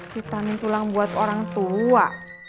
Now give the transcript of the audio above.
vitamin tulang buat orang tua